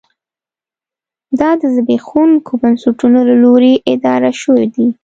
دا د زبېښونکو بنسټونو له لوري اداره شوې دي.